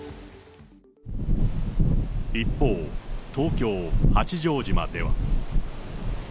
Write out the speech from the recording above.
一方、東京・八丈島では。